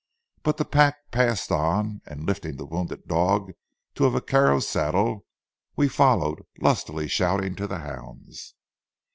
But the pack passed on, and, lifting the wounded dog to a vaquero's saddle, we followed, lustily shouting to the hounds.